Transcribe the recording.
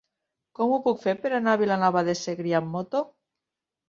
Com ho puc fer per anar a Vilanova de Segrià amb moto?